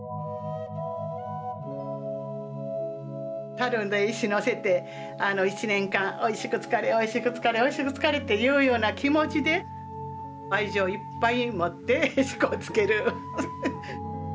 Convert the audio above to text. たるに石のせて１年間「おいしく漬かれおいしく漬かれおいしく漬かれ」っていうような気持ちで愛情いっぱい持ってへしこを漬ける。